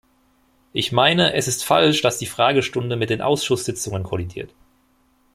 Ich meine, es ist falsch, dass die Fragestunde mit den Ausschusssitzungen kollidiert.